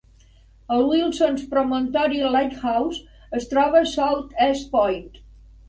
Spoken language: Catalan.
El Wilsons Promontory Lighthouse es troba a South East Point.